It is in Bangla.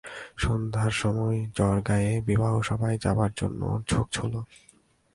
সন্ধ্যার সময় জ্বর-গায়েই বিবাহসভায় যাবার জন্যে ওর ঝোঁক হল।